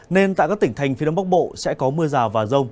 nên tại các tỉnh thành phía đông bắc bộ sẽ có mưa rào và rông